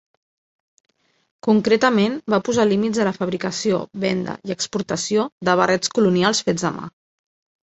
Concretament va posar límits a la fabricació, venda i exportació de barrets colonials fets a mà.